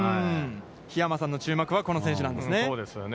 桧山さんの注目はこの選手なんですよね。